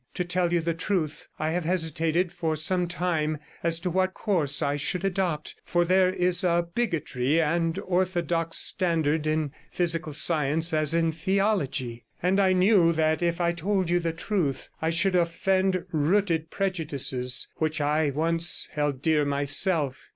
To tell you the truth, I have hesitated for some time as to what course I should adopt, 119 for there is a bigotry and orthodox standard in physical science as in theology, and I knew that if I told you the truth I should offend rooted prejudices which I once held dear myself.